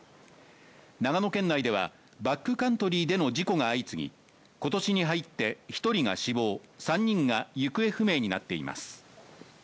長野県内では、バックカントリーでの事故が相次ぎ、今年に入って１人が死亡、３人が行方不明になっています。